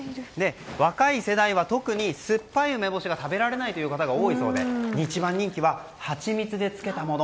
若い世代は特に酸っぱい梅干しが食べられない方が多いそうで一番人気はハチミツで漬けたもの